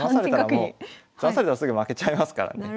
詰まされたらすぐ負けちゃいますからね。